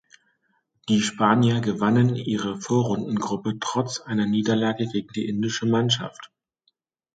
Die Spanier gewannen ihre Vorrundengruppe trotz einer Niederlage gegen die indische Mannschaft.